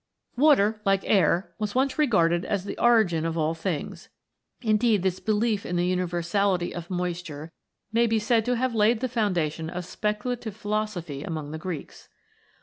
Water, like Air, was once regarded as the origin of all things ; indeed this belief in the universality of moisture may be said to have laid the foundation of speculative philosophy among the Greeks.